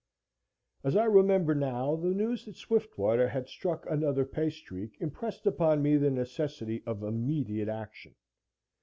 As I remember now, the news that Swiftwater had struck another pay streak impressed upon me the necessity of immediate action.